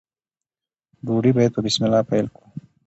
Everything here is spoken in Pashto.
ډوډۍ باید په بسم الله پیل کړو.